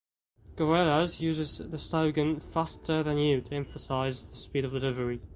Gorillas uses the slogan "faster than you" to emphasize the speed of delivery.